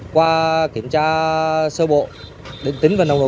qua kiểm tra sơ bộ để tính vào nồng độ cồn thì lái xe không phát hiện nồng độ cồn